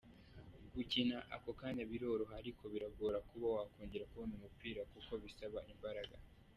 Gukina ako kanya biroroha ariko biragora kuba wakongera kubona umupira kuko bisaba imbaraga.